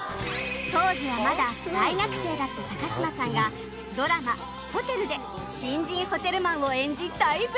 当時はまだ大学生だった嶋さんがドラマ『ＨＯＴＥＬ』で新人ホテルマンを演じ大ブレーク